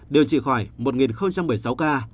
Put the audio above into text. điều trị khỏi một bảy mươi sáu ca